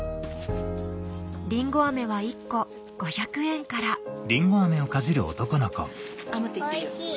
りんご飴は１個５００円からおいしい！